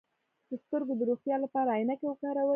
د سترګو د روغتیا لپاره عینکې وکاروئ